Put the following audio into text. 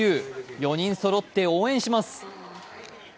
４人そろって応援します。